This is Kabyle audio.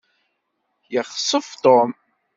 Yexsef Tom.